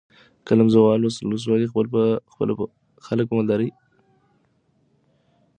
د قلعه زال ولسوالۍ خلک په مالدارۍ او کب نیولو بوخت دي.